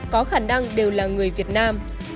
có khả năng đều là người việt nam